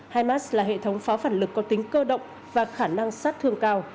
himars là hệ thống pháo phản lực có tính cơ động và khả năng sát thương cao